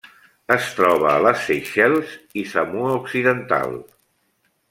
Es troba a les Seychelles i Samoa Occidental.